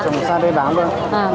trồng ra đây bán luôn